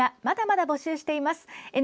まだまだ募集しています。